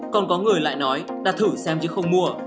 còn có người lại nói đã thử xem chứ không mua